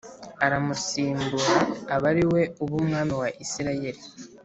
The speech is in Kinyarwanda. aramusimbura aba ari we uba umwami wa Isirayeli